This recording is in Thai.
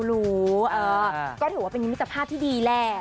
ก็ถือว่าเป็นนิจภาพที่ดีแหละ